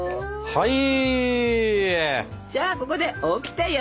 はい！